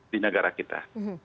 di negara kita